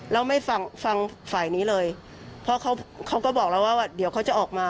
แล้วไม่ฟังฟังฝ่ายนี้เลยเพราะเขาเขาก็บอกแล้วว่าเดี๋ยวเขาจะออกมา